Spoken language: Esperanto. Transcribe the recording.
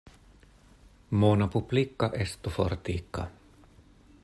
Mono publika estu fortika.